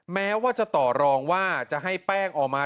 แม้ว่าจะต่อรองว่าจะให้แป้งออกมา